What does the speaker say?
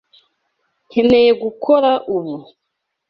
Nkeneye gukora ubu.